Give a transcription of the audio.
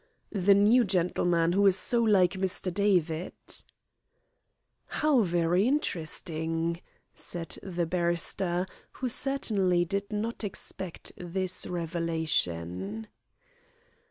"The new gentleman, who is so like Mr. David." "How very interesting," said the barrister, who certainly did not expect this revelation.